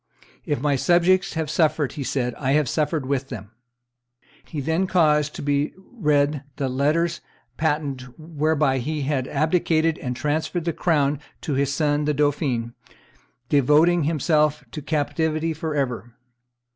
"If my subjects have suffered," he said, "I have suffered with them." He then caused to be read the letters patent whereby he had abdicated and transferred the crown to his son the dauphin, devoting himself to captivity forever.